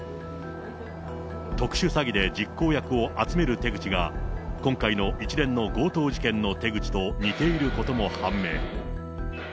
特殊詐欺で実行役を集める手口が、今回の一連の強盗事件の手口と似ていることも判明。